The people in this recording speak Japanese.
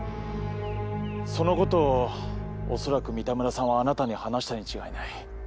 そのことをおそらく三田村さんはあなたに話したに違いない。